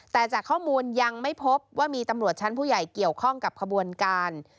แต่จากข้อมูลยังไม่พบว่ามีตำรวจชั้นผู้ใหญ่เกี่ยวข้องกับขบวนการ